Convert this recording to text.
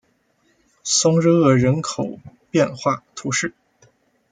松日厄人口变化图示